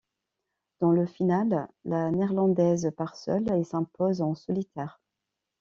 Dans le final, la Néerlandaise part seule et s'impose en solitaire.